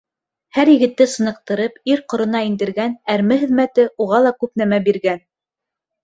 Һәр егетте сыныҡтырып, ир ҡорона индергән әрме хеҙмәте уға ла күп нәмә биргән.